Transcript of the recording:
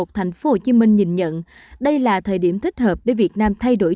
thành phố hồ chí minh nhìn nhận đây là thời điểm thích hợp để việt nam thay đổi